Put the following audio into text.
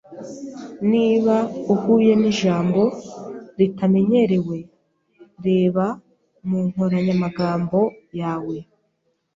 Niba uhuye nijambo ritamenyerewe, reba mu nkoranyamagambo yawe.